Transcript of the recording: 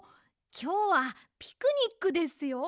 きょうはピクニックですよ。